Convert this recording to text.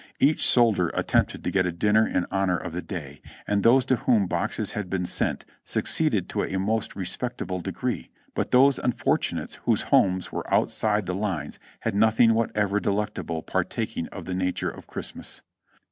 Each soldier attempted to get a dinner in honor of the day, and those to whom boxes had been sent succeeded to a most re spectable degree, but those unfortunates whose homes were out side the lines had nothing whatever delectable partaking of the nature of Christmas.